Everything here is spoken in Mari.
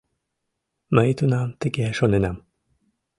Мый тунам тыге шоненам.